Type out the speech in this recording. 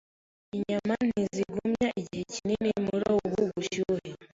Inyama ntizigumya igihe kinini muri ubu bushyuhe.